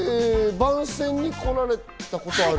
番宣に来られたことがある？